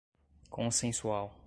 consensual